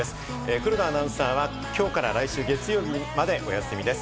黒田アナウンサーはきょうから来週月曜日までお休みです。